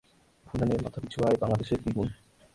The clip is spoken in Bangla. ভুটানের মাথাপিছু আয় বাংলাদেশের দ্বিগুণ।